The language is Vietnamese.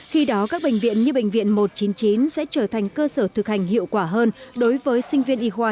khi đó các bệnh viện như bệnh viện một trăm chín mươi chín sẽ trở thành cơ sở thực hành hiệu quả hơn đối với sinh viên y khoa